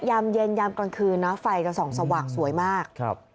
ยามเย็นยามกลางคืนนะไฟจะส่องสว่างสวยมากครับ